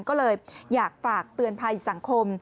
ก็เลยอยากฝากเตือนภัยสังคม